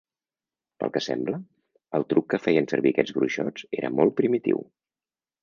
Pel que sembla, el truc que feien servir aquests bruixots era molt primitiu.